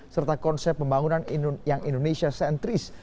serta konsep pembangunan yang indonesia sentris